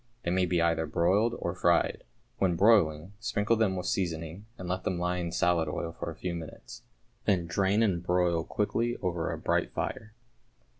They may be either broiled or fried. When broiling, sprinkle them with seasoning, and let them lie in salad oil for a few minutes, then drain and broil quickly over a bright fire.